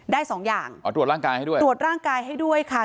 สองอย่างอ๋อตรวจร่างกายให้ด้วยตรวจร่างกายให้ด้วยค่ะ